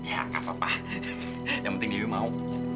ya gak apa apa yang penting ibu mau